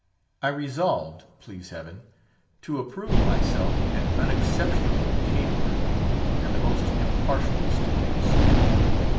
I resolved, please Heaven, to approve myself an unexceptionable caterer, and the most impartial of stewards.